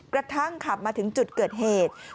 กระทั่งขับมาถึงจุดเกิดเหตุ